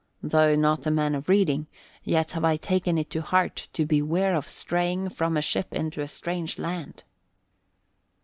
Though not a man of reading, yet have I taken it to heart to beware of straying from a ship into a strange land."